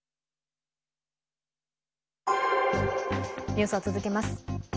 ニュースを続けます。